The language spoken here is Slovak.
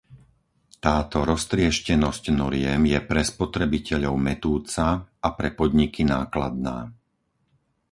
Táto roztrieštenosť noriem je pre spotrebiteľov mätúca a pre podniky nákladná.